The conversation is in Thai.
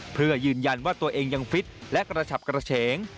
เพื่อยืนยันว่าตัวเองยังฟิตและกระฉับกระเฉง